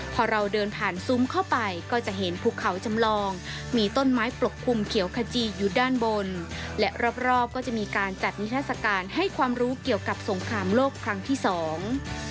พอเราเดินผ่านซุ้มเข้าไปก็จะเห็นภูเขาจำลองมีต้นไม้ปกคลุมเขียวขจีอยู่ด้านบนและรอบรอบก็จะมีการจัดนิทัศกาลให้ความรู้เกี่ยวกับสงครามโลกครั้งที่สอง